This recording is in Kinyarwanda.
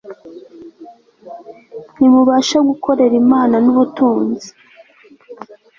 ntimubasha gukorera imana n'ubutunzi